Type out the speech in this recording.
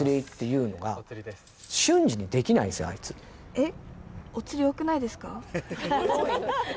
えっ？